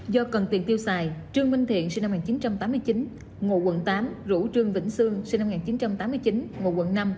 do cần tiền tiêu xài trương minh thiện sinh năm một nghìn chín trăm tám mươi chín ngụ quận tám rủ trương vĩnh sương sinh năm một nghìn chín trăm tám mươi chín ngụ quận năm